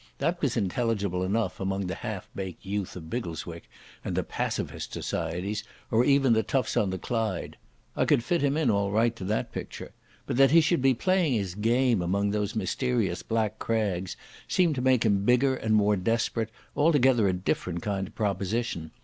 That was intelligible enough among the half baked youth of Biggleswick, and the pacifist societies, or even the toughs on the Clyde. I could fit him in all right to that picture. But that he should be playing his game among those mysterious black crags seemed to make him bigger and more desperate, altogether a different kind of proposition.